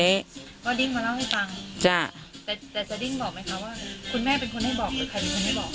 แต่เดียวจะดิ้งบอกไหมคะว่าคุณแม่เป็นคนให้บอกหรือใครเป็นคนให้บอก